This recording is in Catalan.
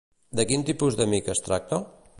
De quin tipus d'amic es tracta?